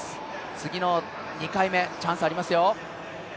次の２回目、チャンスありますよ。